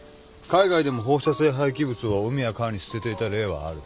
海外でも放射性廃棄物を海や川に捨てていた例はある。